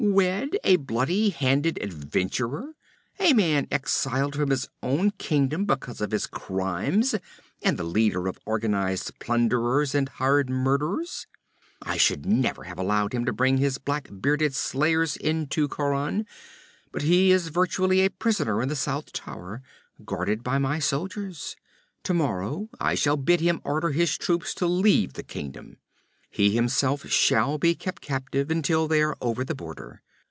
Wed a bloody handed adventurer, a man exiled from his own kingdom because of his crimes, and the leader of organized plunderers and hired murderers? 'I should never have allowed him to bring his black bearded slayers into Khauran. But he is virtually a prisoner in the south tower, guarded by my soldiers. Tomorrow I shall bid him order his troops to leave the kingdom. He himself shall be kept captive until they are over the border.